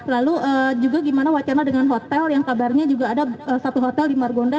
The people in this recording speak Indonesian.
lalu juga gimana wacana dengan hotel yang kabarnya juga ada satu hotel di margonda